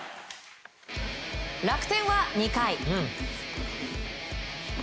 楽天は２回。